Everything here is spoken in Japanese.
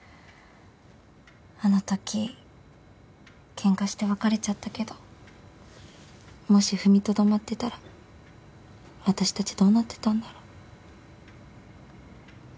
あのときケンカして別れちゃったけどもし踏みとどまってたら私たちどうなってたんだろ。